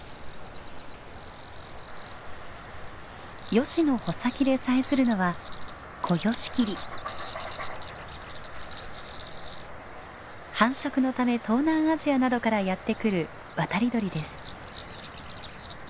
ヨシの穂先でさえずるのは繁殖のため東南アジアなどからやって来る渡り鳥です。